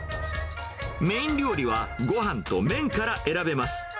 メイン料理はごはんと麺から選べます。